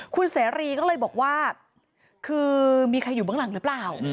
คุณเสรีก็เลยบอกว่าคือมีใครอยู่เบื้องหลังหรือเปล่า